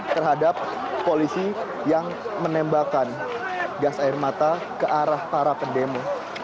terhadap polisi yang menembakkan gas air mata ke arah para pendemo